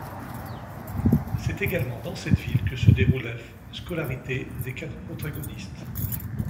C'est également dans cette ville que se déroule la scolarité des quatre protagonistes.